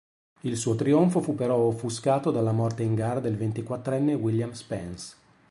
Il suo trionfo fu però offuscato dalla morte in gara del ventiquattrenne William Spence.